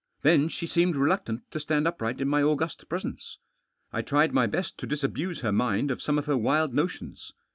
Then she seemed reluctant to stand upright in my august presence. I tried my best to disabuse her mind of some of her wild notions.